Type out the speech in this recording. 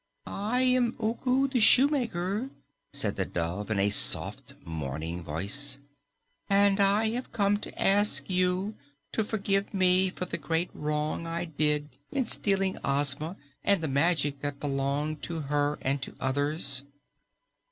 "I am Ugu the Shoemaker," said the dove in a soft, mourning voice, "and I have come to ask you to forgive me for the great wrong I did in stealing Ozma and the magic that belonged to her and to others."